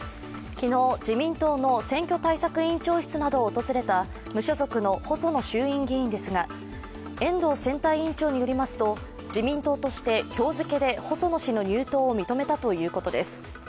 昨日、自民党の選挙対策委員長室などを訪れた無所属の細野衆院議員ですが遠藤選対委員長によりますと自民党として、今日付けで細野氏の入党を認めたということです。